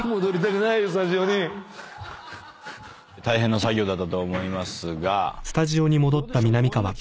大変な作業だったと思いますがどうでしょう？